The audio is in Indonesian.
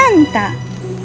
tapi nggak setuju